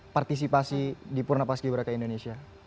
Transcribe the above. partisipasi di purna paskibraka indonesia